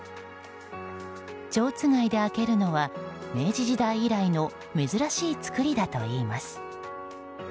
ちょうつがいで開けるのは明治時代以来の珍しい作りだといいます。